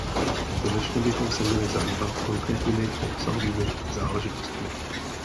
Konečně bychom se měli zabývat konkrétními obsahovými záležitostmi.